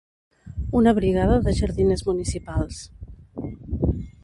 Una brigada de jardiners municipals.